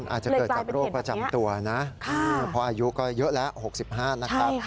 อาจจะเกิดจากโรคประจำตัวนะเพราะอายุก็เยอะแล้ว๖๕นะครับ